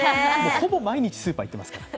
ほぼ毎日、スーパーに行ってますから。